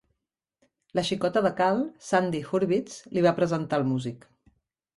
La xicota del Cal, Sandy Hurvitz, li va presentar el músic.